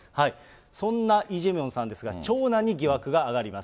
そんなイ・ジェミョンさんですが、長男に疑惑が上がります。